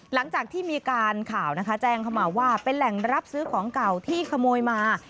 หลังจากที่มีการข่าวนะคะแจ้งเข้ามาว่าเป็นแหล่งรับซื้อของเก่าที่ขโมยมา